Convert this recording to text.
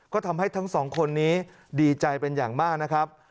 ก็ทำให้ทั้งสองคนนี้ดีใจเป็นอย่างมากนะครับ